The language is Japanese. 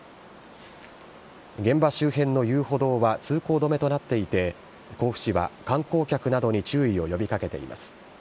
現場周辺の遊歩道は通行止めとなっていて、甲府市は観光客などに注意を呼びかけています。